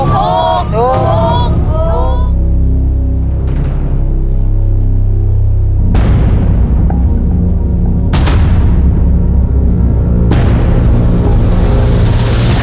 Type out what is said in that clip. ถูก